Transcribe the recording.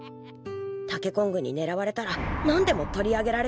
タケコングにねらわれたら何でも取り上げられちゃう。